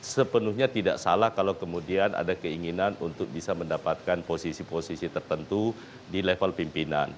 sepenuhnya tidak salah kalau kemudian ada keinginan untuk bisa mendapatkan posisi posisi tertentu di level pimpinan